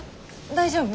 大丈夫？